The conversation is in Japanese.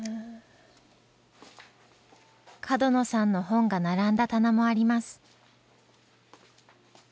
角野さんの本が並んだ棚もあります。